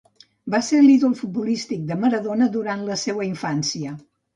Va ser l'ídol futbolístic de Maradona durant la seua infància.